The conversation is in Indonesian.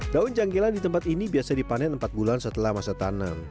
daun jangkilan di tempat ini biasa dipanen empat bulan setelah masa tanam